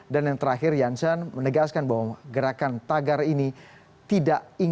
dan yang terakhir janssen menegaskan bahwa gerakan tagar ini tidak tergantung